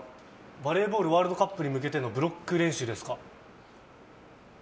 バレーボールワールドカップに向けてのブロック練習ですか？